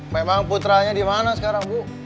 memang putranya di mana sekarang bu